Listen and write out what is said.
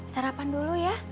sarapan dulu ya